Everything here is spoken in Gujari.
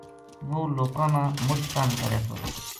وہ لوکاں نا مچ تنگ کرے تھو